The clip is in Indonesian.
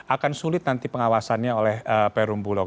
akan sulit nanti pengawasannya oleh perum bulog